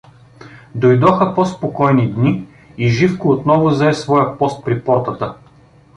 Дойдоха по-спокойни дни и Живко отново зае своя пост при портата.